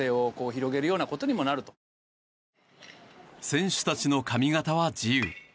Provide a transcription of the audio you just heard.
選手たちの髪形は自由。